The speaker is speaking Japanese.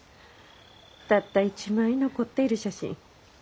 たった一枚残っている写真。